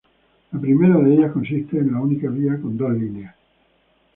La primera de ellas consiste en una única vía con dos líneas.